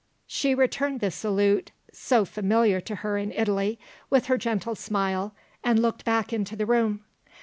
She returned the salute (so familiar to her in Italy) with her gentle smile, and looked back into the room.